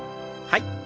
はい。